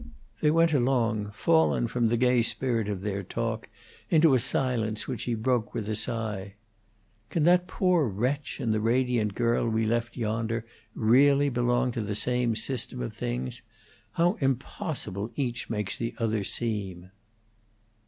They went along fallen from the gay spirit of their talk into a silence which he broke with a sigh. "Can that poor wretch and the radiant girl we left yonder really belong to the same system of things? How impossible each makes the other seem!"